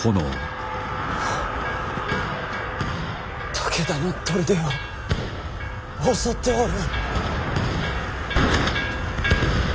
武田の砦を襲っておる！